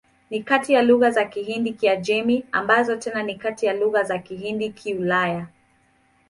Ni kati ya lugha za Kihindi-Kiajemi, ambazo tena ni kati ya lugha za Kihindi-Kiulaya.